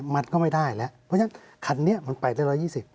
มันก็ไม่ได้แล้วเพราะฉะนั้นคันนี้มันไปได้๑๒๐